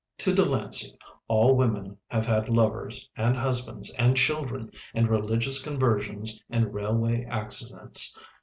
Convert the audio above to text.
To Delancey all women have had lovers and husbands and children and religious conversions and railway accidents.